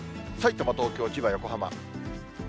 さいたま、東京、千葉、横浜。